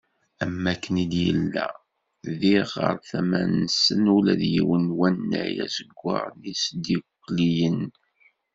Am waken i d-yella, diɣ, ɣer tama-nsen ula d yiwen n wannay azeggaɣ n yisddukkliyen.